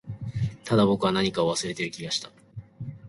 ただ、僕は何かを忘れている気がした